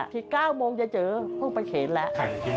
ที๙โมงยายเจอพึ่งไปเขนแล้ว